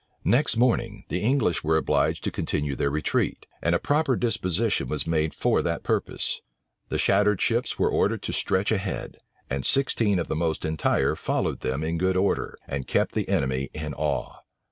Next morning, the English were obliged to continue their retreat; and a proper disposition was made for that purpose. The shattered ships were ordered to stretch ahead; and sixteen of the most entire followed them in good order, and kept the enemy in awe.